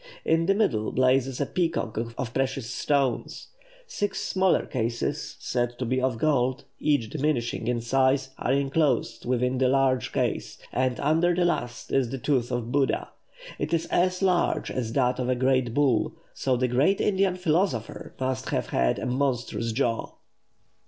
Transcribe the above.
In the middle blazes a peacock of precious stones. Six smaller cases, said to be of gold, each diminishing in size, are enclosed within the large case, and under the last is the tooth of Buddha. It is as large as that of a great bull, so the great Indian philosopher must have had a monstrous jaw!